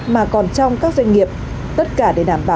mà còn trong các doanh nghiệp